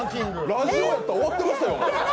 ラジオやったら終わってますよ。